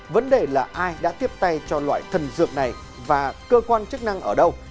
vấn đề là ai đã tiếp tay cho loại thần dược này và cơ quan chức năng ở đâu